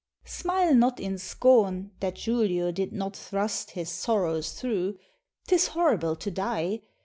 Smile not in scorn, that Julio did not thrust His sorrows thro' 'tis horrible to die!